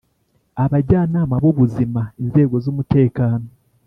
abajyanama b’ubuzima, inzego z’umutekano